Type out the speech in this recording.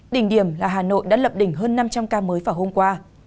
đỉnh điểm là hà nội đã lập đỉnh hơn năm trăm linh ca mới vào hôm qua